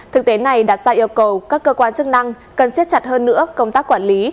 thực tế này đặt ra yêu cầu các cơ quan chức năng cần siết chặt hơn nữa công tác quản lý